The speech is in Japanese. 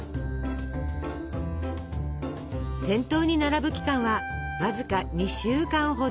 店頭に並ぶ期間はわずか２週間ほど。